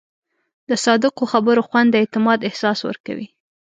د صادقو خبرو خوند د اعتماد احساس ورکوي.